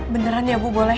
beneran ya bu boleh